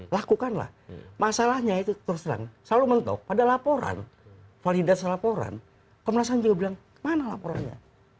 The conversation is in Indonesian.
lakukanlah masalahnya itu terus terang selalu mentok pada laporan validasi laporan komnas ham juga bilang mana laporannya